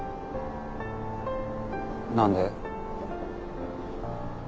何で？